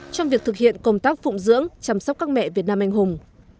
trong việc thực hiện công tác phụng dưỡng chăm sóc các mẹ việt nam anh hùng